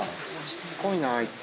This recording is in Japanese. しつこいな、あいつ。